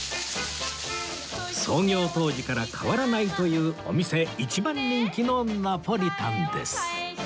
創業当時から変わらないというお店一番人気のナポリタンです